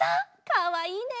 かわいいね。